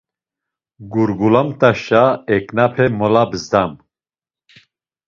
Gurgulamt̆aşa eǩnape molabzdam.